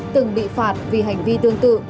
từng bị phạt vì hành vi tương tự